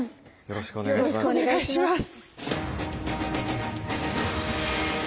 よろしくお願いします。